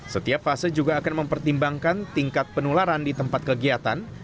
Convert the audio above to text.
setiap fase juga akan mempertimbangkan tingkat penularan di tempat kegiatan